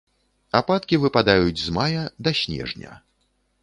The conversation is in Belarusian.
Ападкі выпадаюць з мая да снежня.